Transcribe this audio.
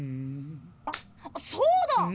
そうだ！